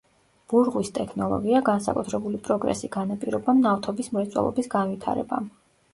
ბურღვის ტექნოლოგია განსაკუთრებული პროგრესი განაპირობა ნავთობის მრეწველობის განვითარებამ.